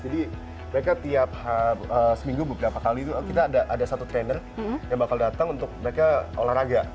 jadi mereka tiap seminggu beberapa kali itu kita ada satu trainer yang bakal datang untuk mereka olahraga